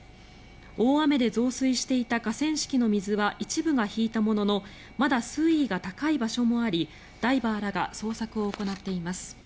大雨で増水していた河川敷の水は一部が引いたもののまだ水位が高い場所もありダイバーらが捜索を行っています。